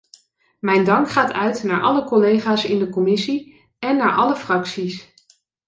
Mijn dank gaat uit naar alle collega’s in de commissie en naar alle fracties.